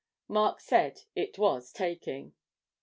Mark said it was taking.